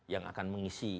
yang akan mengisi